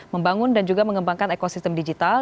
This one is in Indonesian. membangun dan juga mengembangkan ekosistem digital